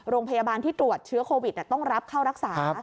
โรงพยาบาลที่ตรวจเชื้อโควิดต้องรับเข้ารักษา